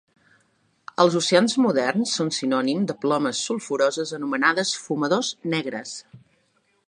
Als oceans moderns són sinònim de plomes sulfuroses anomenades fumadors negres.